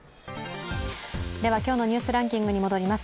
今日のニュースランキングに戻ります。